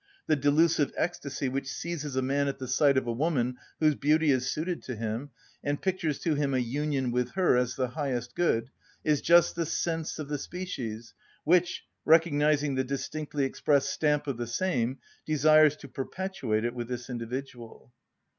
The delusive ecstasy which seizes a man at the sight of a woman whose beauty is suited to him, and pictures to him a union with her as the highest good, is just the sense of the species, which, recognising the distinctly expressed stamp of the same, desires to perpetuate it with this individual.